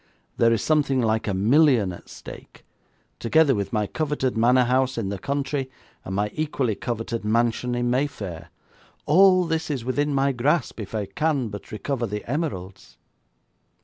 There is something like a million at stake, together with my coveted manor house in the country, and my equally coveted mansion in Mayfair. All this is within my grasp if I can but recover the emeralds.'